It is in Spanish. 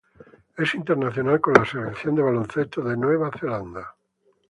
Es internacional con la Selección de baloncesto de Nueva Zelanda.